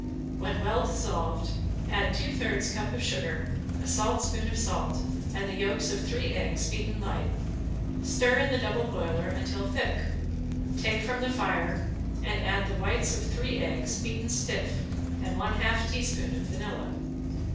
When well dissolved add two thirds cup of sugar, a saltspoon of salt, and the yolks of three eggs beaten light, stir in the double boiler till thick, take from the fire, and add the white of three eggs beaten stiff and one half teaspoon of vanilla.